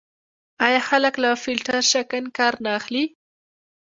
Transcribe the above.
آیا خلک له فیلټر شکن کار نه اخلي؟